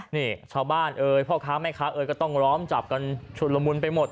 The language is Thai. นี่ชาวบ้านเอ่ยพ่อค้าแม่ค้าเอ่ยก็ต้องล้อมจับกันชุดละมุนไปหมด